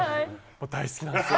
大好きなんですよ。